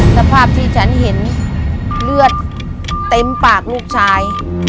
สภาพที่ฉันเห็นเลือดเต็มปากลูกชาย